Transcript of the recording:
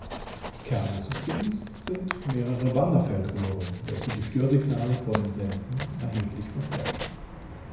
Kern des Systems sind mehrere Wanderfeldröhren, welche die Störsignale vor dem Senden erheblich verstärken.